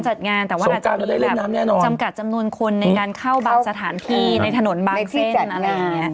จำกัดจำนวนคุณในการเข้าบัตรสถานที่ในถนนบัตรเซ็นต์อะไรอย่างนี้